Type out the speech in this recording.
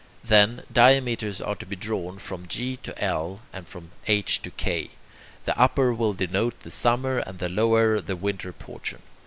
Then, diameters are to be drawn from G to L and from H to K. The upper will denote the summer and the lower the winter portion.